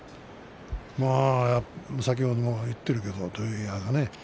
先ほども言っているけど土俵際がね